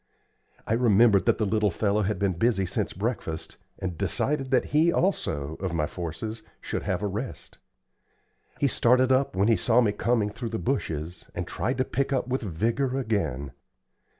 I remembered that the little fellow had been busy since breakfast, and decided that he also, of my forces, should have a rest. He started up when he saw me coming through the bushes, and tried to pick with vigor again.